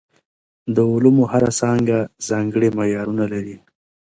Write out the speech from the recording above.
د علومو هره څانګه ځانګړي معیارونه لري.